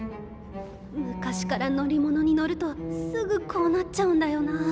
昔から乗り物に乗るとすぐこうなっちゃうんだよなあ。